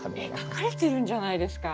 書かれてるんじゃないですか。